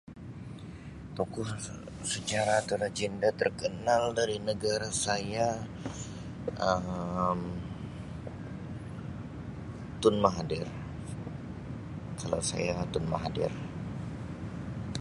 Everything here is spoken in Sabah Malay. Tokoh sejarah atau lagenda terkenal dari negara saya Um Tun Mahathir kalau saya Tun Mahathir.